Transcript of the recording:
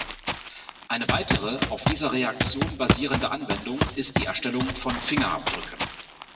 Eine weitere auf dieser Reaktion basierende Anwendung ist die Erstellung von Fingerabdrücken.